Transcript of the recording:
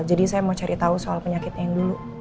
jadi saya mau cari tahu soal penyakitnya yang dulu